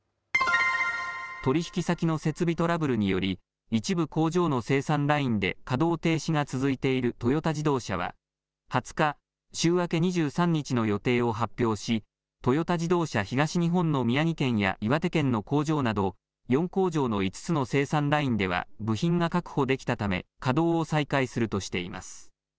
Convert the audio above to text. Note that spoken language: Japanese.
取り引き先の設備トラブルにより一部工場の生産ラインで稼働停止が続いているトヨタ自動車は、２０日、週明け２３日の予定を発表し、トヨタ自動車東日本の宮城県や岩手県の工場など、４工場の５つの生産ラインでは、部品が確保できたため、稼働を再開するとしています。